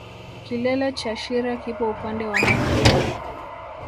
Kilele cha shira kipo upande wa magharibi